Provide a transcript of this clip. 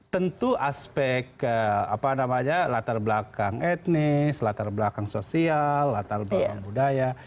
tentu aspek apa namanya latar belakang etnis latar belakang sosial latar belakang budaya